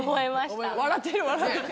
笑ってる笑ってる。